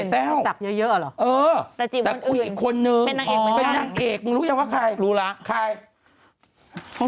ที่สักเยอะหรือ